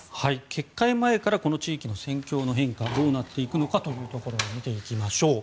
決壊前から、この地域の戦況の変化どうなっていくのか見ていきましょう。